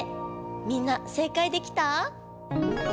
みんな正解できた？